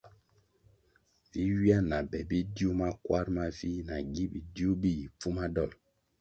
Vi ywia na be bidiu makwarʼ mavih nagi bidiu bi yi pfuma dolʼ.